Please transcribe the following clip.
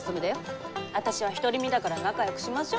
あたしは独り身だから仲よくしましょ。